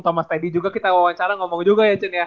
thomas teddy juga kita wawancara ngomong juga ya